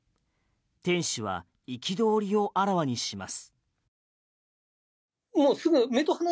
店主は憤りをあらわにします。